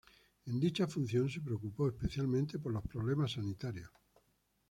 En dicha función se preocupó especialmente por los problemas sanitarios.